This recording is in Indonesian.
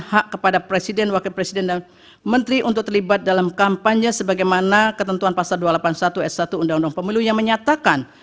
hak kepada presiden wakil presiden dan menteri untuk terlibat dalam kampanye sebagaimana ketentuan pasal dua ratus delapan puluh satu s satu undang undang pemilu yang menyatakan